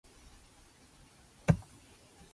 犬はかわいい